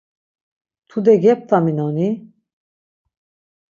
Tude geptaminoni?